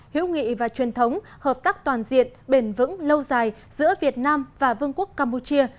hiếu nghị và truyền thống hợp tác toàn diện bền vững lâu dài giữa việt nam và vương quốc campuchia